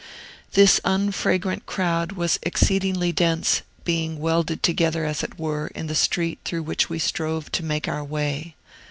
This unfragrant crowd was exceedingly dense, being welded together, as it were, in the street through which we strove to make our way.